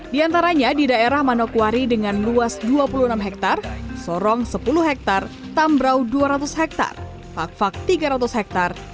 di antaranya di daerah manokwari dengan luas dua puluh enam hektar sorong sepuluh hektar tambraw dua ratus hektar pakvak tiga ratus hektar